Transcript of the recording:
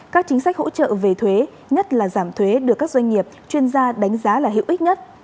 các chính sách hỗ trợ về thuế nhất là giảm thuế được các doanh nghiệp chuyên gia đánh giá là hữu ích nhất